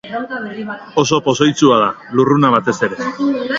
Oso pozoitsua da, lurruna batez ere.